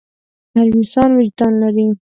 هر انسان وجدان لري.